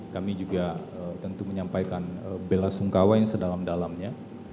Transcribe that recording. kami juga tentu menyampaikan bela sungkawa yang sedalam dalamnya